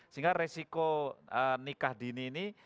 sehingga resiko nikah dini ini